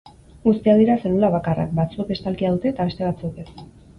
Guztiak dira zelulabakarrak, batzuek estalkia dute eta beste batzuek ez.